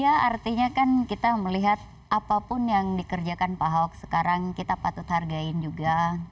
ya artinya kan kita melihat apapun yang dikerjakan pak ahok sekarang kita patut hargain juga